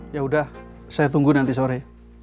yaudah saya tunggu nanti sore